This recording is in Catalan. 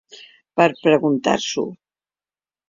Per preguntar-s’ho!